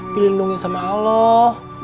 dilindungi sama allah